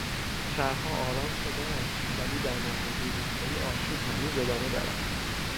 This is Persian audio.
شهرها آرام شدهاند ولی در نواحی روستایی آشوب هنوز ادامه دارد.